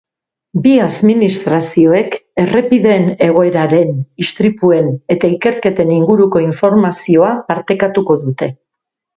Bi administrazioek errepideen egoeraren, istripuen eta ikerketen inguruko informazioa partekatuko dute.